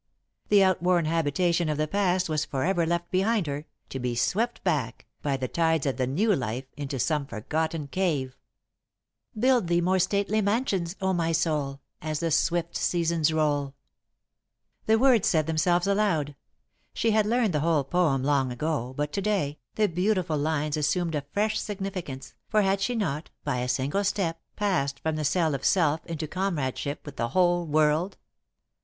The outworn habitation of the past was forever left behind her, to be swept back, by the tides of the new life, into some forgotten cave. "Build thee more stately mansions, oh my soul, As the swift seasons roll." [Sidenote: The Same, Yet Different] The words said themselves aloud. She had learned the whole poem long ago, but, to day, the beautiful lines assumed a fresh significance, for had she not, by a single step, passed from the cell of self into comradeship with the whole world?